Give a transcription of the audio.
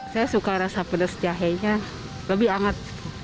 saya suka rasa pedas jahenya lebih hangat